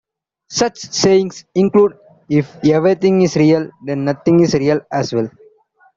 Such sayings include: If everything is real... then nothing is real as well.